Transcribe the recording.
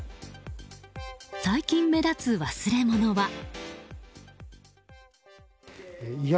最近目立つ忘れ物は。